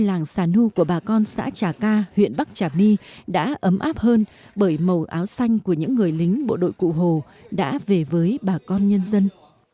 làng xà nu của bà con xã trà ca huyện bắc trà my đã ấm áp hơn bởi màu áo xanh của những người lính bộ đội cụ hồ đã về với bà con nhân dân